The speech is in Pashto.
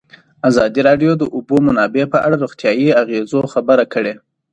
ازادي راډیو د د اوبو منابع په اړه د روغتیایي اغېزو خبره کړې.